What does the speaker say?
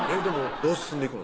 どう進んでいくの？